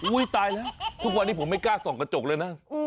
ตายแล้วทุกวันนี้ผมไม่กล้าส่องกระจกเลยนะ